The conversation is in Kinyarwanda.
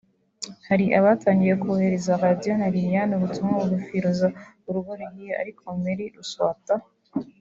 Hari abatangiye koherereza Radio na Lilian ubutumwa bubifuriza urugo ruhire ariko Mary Luswata